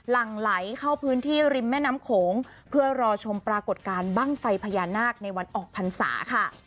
หลังไหลเข้าพื้นที่ริมแม่น้ำโขงเพื่อรอชมปรากฏการณ์บ้างไฟพญานาคในวันออกพรรษาค่ะ